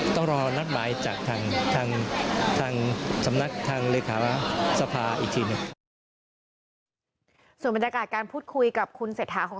ต้องรอนัดหมายจากทาง